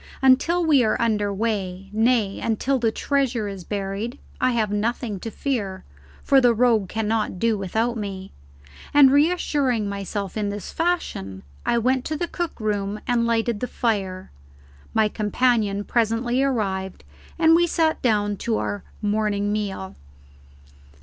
Until we are under way, nay, until the treasure is buried, I have nothing to fear, for the rogue cannot do without me. And, reassuring myself in this fashion, I went to the cook room and lighted the fire; my companion presently arrived, and we sat down to our morning meal.